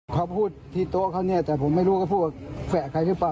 เขาพูดที่โต๊ะเขาเนี่ยแต่ผมไม่รู้เขาพูดว่าแฝะใครหรือเปล่า